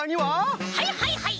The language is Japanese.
はいはいはい！